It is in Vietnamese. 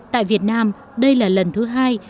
tại việt nam đây là lần thứ hai